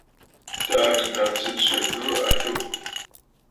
Taà kɨ naŋsə swɛ̌ ndurə a atû Ŋgwà.